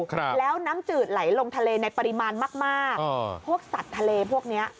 ครับแล้วน้ำจืดไหลลงทะเลในปริมาณมากมากอ่าพวกสัตว์ทะเลพวกเนี้ย